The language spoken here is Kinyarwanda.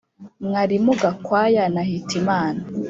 mwalimu gakwaya na hitimana